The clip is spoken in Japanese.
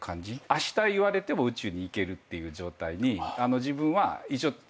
あした言われても宇宙に行けるっていう状態に自分は一応こうキープ。